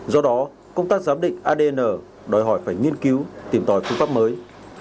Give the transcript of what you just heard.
do đó công tác giám định adn đòi hỏi phải nghiên cứu tìm tòi phương pháp mới